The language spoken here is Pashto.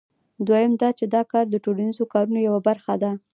دویم دا چې دا کار د ټولنیزو کارونو یوه برخه ده